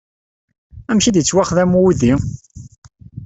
Amek ay d-yettwaxdam wudi?